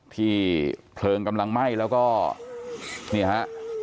เพลิงกำลังไหม้แล้วก็นี่ฮะ